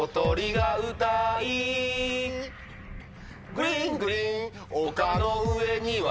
グリーングリーン丘の上には